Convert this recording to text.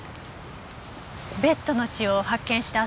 ベッドの血を発見した